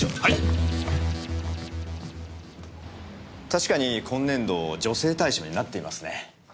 確かに今年度助成対象になっていますね。